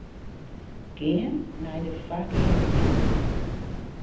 Gean nei de foargeande fjild.